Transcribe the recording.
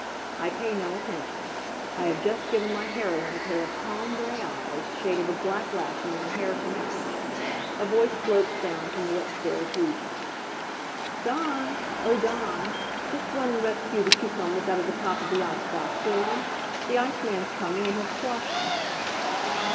I pay no attention. I have just given my heroine a pair of calm gray eyes, shaded with black lashes and hair to match. A voice floats down from the upstairs regions. "Dawn! Oh, Dawn! Just run and rescue the cucumbers out of the top of the ice box, will you? The iceman's coming, and he'll squash 'em."